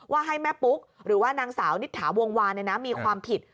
ให้แม่ปุ๊กหรือว่านางสาวนิษฐาวงวานมีความผิด